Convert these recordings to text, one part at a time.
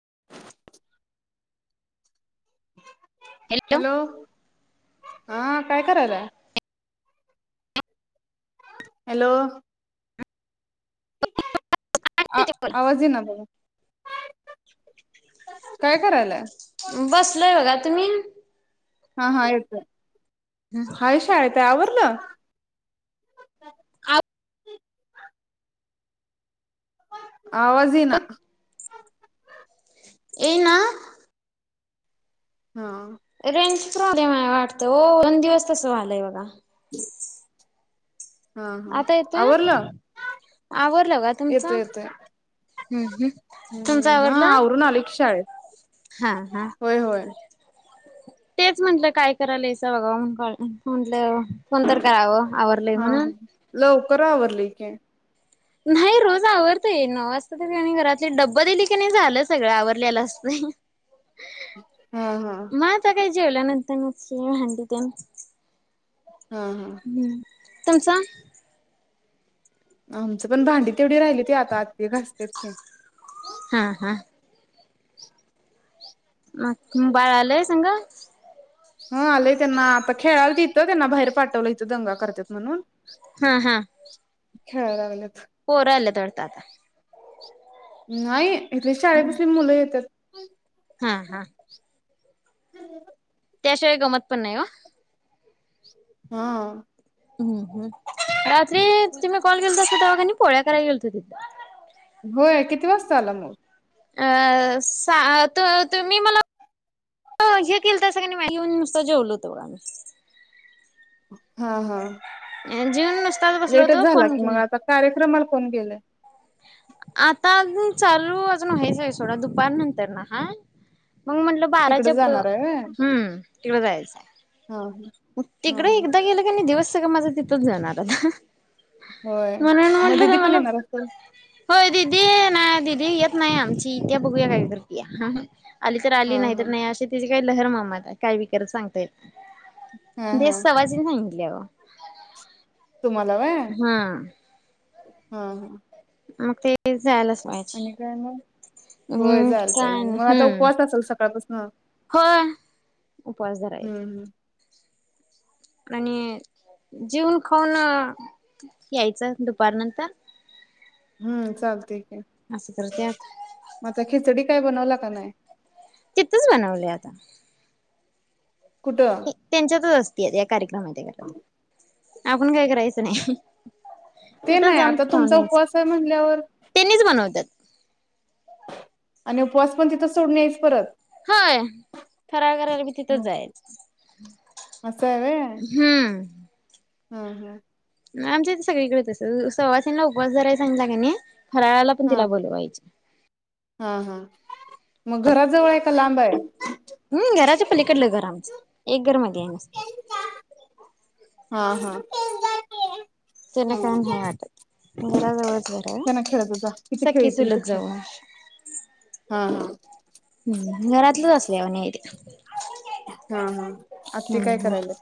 [inaudible] Hello हा काय करायलायं? हॅलो ऐकू [unintelligible] अ येतंय बोला. आवाज येई ना बघा. काय करायलाय बसलोय बघा तुम्ही? हा हा येतोय हम्म. हाय शाळेत काय आवरलं? आवाज येईना येईना? हां रेंज प्रॉब्लेम आहे वाटतं ओ दोन दिवस तसं वालंय बघा [inaudible] हा हा आता येतोय आवरलं आवरलं का येतं तुमचं? येतंय हम्म हम्म. तुमचं हम्म हां आवरलं? आवरून आली शाळेत हा हा. होय होय तेच म्हंटलं काय करायलायास बघावं म्हणून कॉल म्हटलं फोन तर करावं आवरलंय म्हणून कर आवरलंय की नाही रोज आवरतय नऊ वाजता तर नी घरातले डब दिली की नाही झालं सगळ आवरलेलं असतय हा हा म आता काय जेवला नं त्या नंतरच भांडी तेन हां हां तुमचं? आमचं पण भांडी तेवढी राहिली ती आता आलीत की घासतेत की हा हा. मग बाळ आलंय संघ हो आलेय त्यांना आता की खेळालती इथ त्यांना बाहेर पाठवलं इथं दंगा करत्यात म्हणून हां हां खेळायला लागल्यात. पोरं आल्यात वाटत आता नाही इथ शाळे पसली मुलं येतात. [inaudible] हां हां [inaudible] त्याशिवाय गमत पण नाही ओ हां हम्म हम्म [unintelligible] रात्री तुम्ही कॉल केलतासा तवा की नी पोळ्या करायला गेलतो तिथ होय, किती वाजता आला मग? अ सात त तुम्ही मला हे केलतासा कणी, [unintelligible] येऊन नुसतं जेवलो होतो बघा मी हां हां जेऊन [unintelligible] नुसताच बसलो लेटच होतो झाला फोन की मग घेऊन आता कार्यक्रमाला कोण गेलय? आता ज चालू अजून व्हायच आहे सोडा दुपार नंतरन मग म्हटलं तिकडे बाराच्या पुढं जाणार आहे व्हय हम्म तिकड हा जायचंय. हा तिकडे हा. एकदा गेलं कणी दिवस सगळ माझं तिथच जाणार आता. होय म्हणून म म्हटलं दीदी पण तुम्हाला येणार असलं होय दिदी नाही दिदी येत नाही आमची, आता बघूया काय करतीया? आली तर आली हा नाही हा तर नाही अशी तीजी का लहर म माला काय बि करल सांगता येत नाही. हा देव हा सवाशिन हाय मी देवा तुम्हाला व्हय हा हा हा मग ते जायलाच आणि पाहिजे काय मग होय हम्म जायला काय पाहिजे मग नाही आता हम्म उपवास असेल सकाळपासन, होय उपवास हम्म धरायचा हम्म आणि जेवन खाऊन यायचं दुपार नंतर हम्म चालतेय करत्यात म आता खिचडी काय बनवला? का नाही तिथच बनवले आहे आता कुठं त्यांच्या जवळच ते काय कार्यक्रम आहे त्या घरात आपण काय करायचं नाही. ते तिथं नाही जाऊन आता खाऊन तुमचा यायचं. उपवास आहे म्हणल्यावर त्यांनीच बनवतात. आणि उपवास पण तिथं सोडून यायच परत हय फराळ करायला मी तिथेच हं, जायच, असं हम्म हं हं आमच्या इथ सगळीकडेच तसंच आहे सवाशीना उपवास धरायला सांगितला कनी फराळाला पण हा हा तिला बोलवायचे. हा हा मग घराजवळ आहे का लांब आहे हु घराच्या पलीकडलं घर आमचं एक घर मागे काही नसतं हा हा त्याना काय नाही वाटत घराजवळच घर आहे हे ना खेळत जा इथे खेळ सखी इथे इथे चुलत खेळ जाऊ हा ह हम्म घरातलंच असल्या वाणी आहे ते. हा हा आत्या काय करायला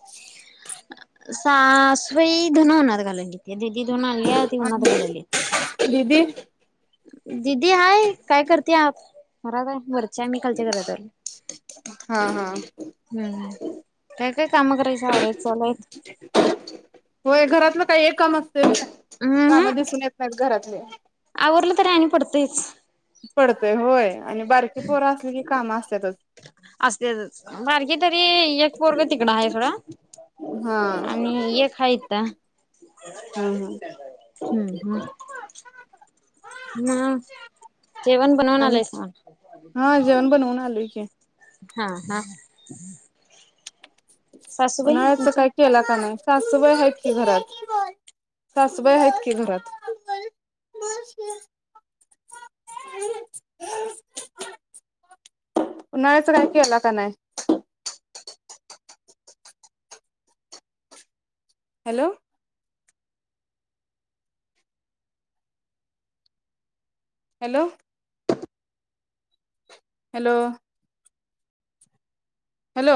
सासु होय धुणं वाळत घालत आहे ते ददी धुन आणली ती उन्हात वाळत घालायल्यात दिदी दिदी हाय काय करत्याय आ मरा बर [inaudible] आम्ही खालच्या घरात आलोय हां हां ते काम करायच्या आवरायत चालायत काय एका मग [unintelligible] कामं दिसून येत नाहीत घरात [unintelligible] आवरलं तरी आनि पडतंयच पडतय होय आणि बारकी पोर असली की कामं असत चल चल असेलच बारकी तरी यक पोरग तिकडं हाय थोडा हा हम्म आणि यक हाय इथं हम्म हम्म हम्म ह जेवण बनवन आणि आलायस का हा जेवण बनवून [unintelligible] हा हा ह उन्हाळ्याच काही केलं का नाही? सासुबाई आहेत की घरात सासुबाई आहेत कि घरात उन्हाळ्याच काय केला का नाही? Hello hello hello hello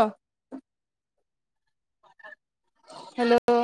hello